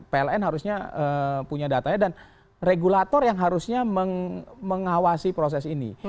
pln harusnya punya datanya dan regulator yang harusnya mengawasi proses ini